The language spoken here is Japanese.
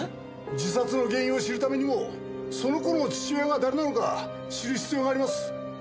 自殺の原因を知るためにもその子の父親が誰なのか知る必要があります。